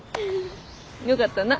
よかったな。